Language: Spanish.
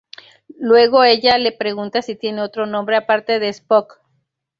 Luego ella le pregunta si tiene otro nombre aparte de Spock.